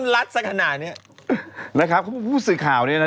และครับผู้สื่อข่าวเนี่ยนะ